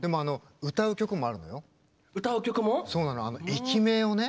駅名をね